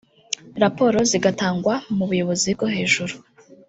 raporo zigatangwa mu buyobozi bwo hejuru